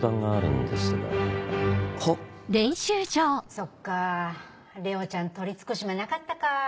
・そっかぁ・玲緒ちゃん取りつく島なかったかぁ。